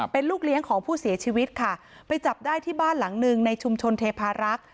เป็นลูกเลี้ยงของผู้เสียชีวิตค่ะไปจับได้ที่บ้านหลังหนึ่งในชุมชนเทพารักษ์